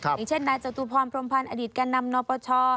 อย่างเช่นนายจตุพรพรมพรรณอดิษฐ์การนำนปช